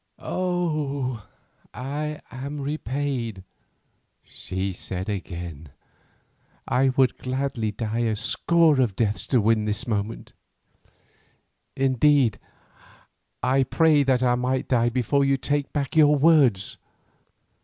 "Oh! I am repaid," she said again; "I would gladly die a score of deaths to win this moment, indeed I pray that I may die before you take back your words.